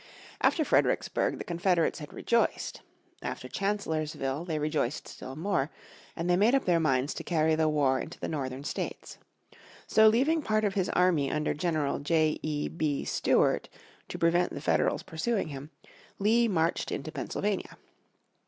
After Fredericksburg the Confederates had rejoiced. After Chancellorsville they rejoiced still more, and they made up their minds to carry the war into the northern states. So leaving part of his army under General J. E. B. Stuart to prevent the Federals pursuing him Lee marched into Pennsylvania.